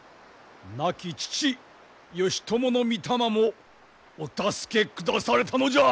亡き父義朝の御霊もお助けくだされたのじゃ！